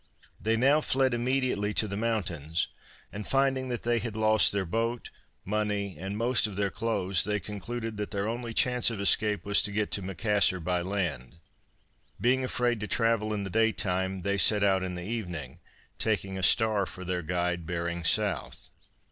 They now fled immediately to the mountains, and finding that they had lost their boat, money, and most of their clothes, they concluded that their only chance of escape was to get to Macassar by land. Being afraid to travel in the day time they set out in the evening, taking a star for their guide bearing south.